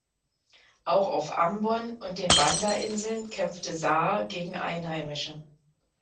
Auch auf Ambon und den Banda-Inseln kämpfte Saar gegen Einheimische.